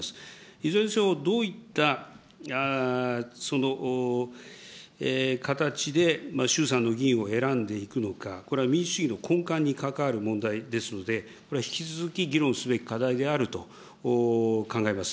いずれにせよ、どういった形で衆参の議員を選んでいくのか、これは民主主義の根幹に関わる問題ですので、これは引き続き議論すべき課題であると考えます。